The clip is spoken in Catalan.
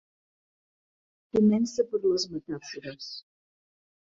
Comença per les metàfores.